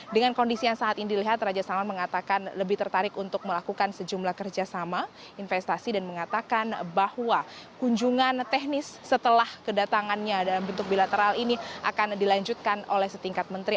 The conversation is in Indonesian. dengan kondisi yang saat ini dilihat raja salman mengatakan lebih tertarik untuk melakukan sejumlah kerjasama investasi dan mengatakan bahwa kunjungan teknis setelah kedatangannya dalam bentuk bilateral ini akan dilanjutkan oleh setingkat menteri